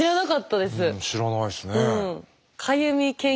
知らないですね。